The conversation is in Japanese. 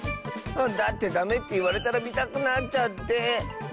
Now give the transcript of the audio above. だってダメっていわれたらみたくなっちゃって。ね。